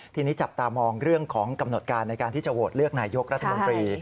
ทีนี้จับตามองเรื่องของกำหนดการในการที่จะโหวตเลือกนายกรัฐมนตรี